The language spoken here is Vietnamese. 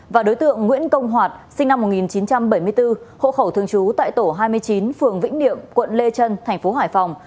và đối tượng nguyễn công hoạt sinh năm một nghìn chín trăm bảy mươi bốn hộ khẩu thường trú tại tổ hai mươi chín phường vĩnh niệm quận lê trân thành phố hải phòng